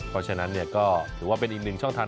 เพราะฉะนั้นก็ถือว่าเป็นอีกหนึ่งช่องทาง